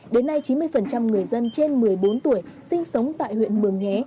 đến nay chín mươi người dân trên một mươi bốn tuổi sinh sống tại huyện mường nhé